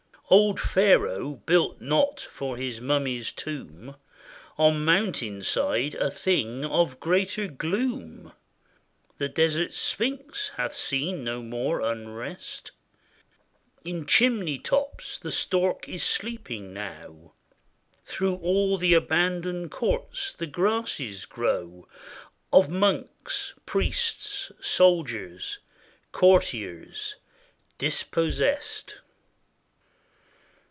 Old Pharaoh built not for his mummy's tomb On mountain side a thing of greater gloom ; The desert's sphinx hath seen no more unrest. In chimney tops the stork is sleeping now, Through all the abandoned courts the grasses grow, Of monks, priests, soldiers, courtiers, dispossessed.